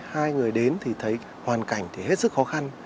hai người đến thì thấy hoàn cảnh thì hết sức khó khăn